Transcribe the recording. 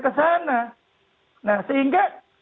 ke sana nah sehingga